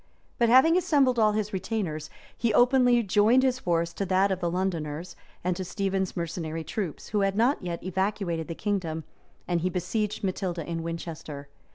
But having assembled all his retainers, he openly joined his force to that of the Londoners, and to Stephen's mercenary troops, who had not yet evacuated the kingdom; and he besieged Matilda in Winchester.